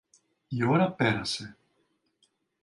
Η ώρα πέρασε.